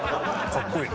かっこいい。